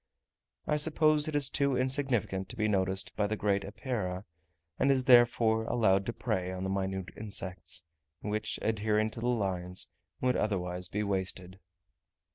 I suppose it is too insignificant to be noticed by the great Epeira, and is therefore allowed to prey on the minute insects, which, adhering to the lines, would otherwise be wasted.